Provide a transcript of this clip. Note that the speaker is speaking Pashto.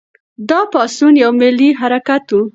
دا پاڅون یو ملي حرکت و.